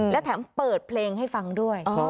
และแถมเปิดเพลงให้ฟังด้วย